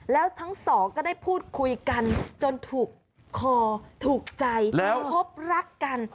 แล้วทั้งสองก็ได้พูดคุยกันจนถูกคอถูกใจพบรักกัน